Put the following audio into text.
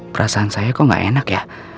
perasaan saya kok gak enak ya